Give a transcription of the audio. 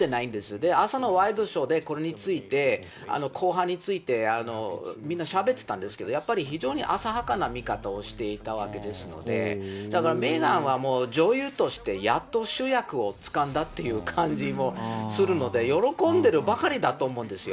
で、朝のワイドショーでこれについて、後半について、みんなしゃべってたんですけど、やっぱり非常に浅はかな見方をしていたわけですので、だからメーガンはもう、女優としてやっと主役をつかんだっていう感じもするので、喜んでるばかりだと思うんですよ。